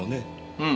うん。